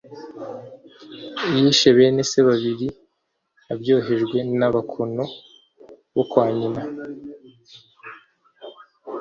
yishe bene se babiri abyohejwe n'abakono bo kwa nyina